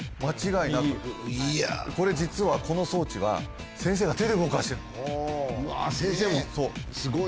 間違いなくこれ実はこの装置は先生が手で動かしてるんです